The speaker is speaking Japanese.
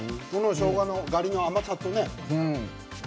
しょうがのガリの甘さとね。